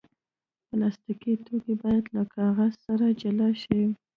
پلاستيکي توکي باید له کاغذ سره جلا شي.